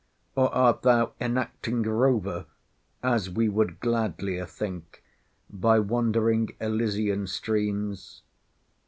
or art thou enacting ROVER (as we would gladlier think) by wandering Elysian streams?